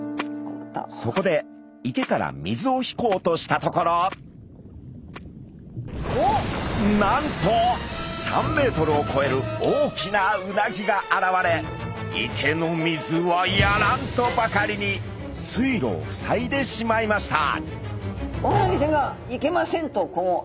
そこで池から水を引こうとしたところなんと３メートルをこえる大きなうなぎが現れ「池の水はやらん！」とばかりに水路をふさいでしまいました。